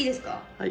はい。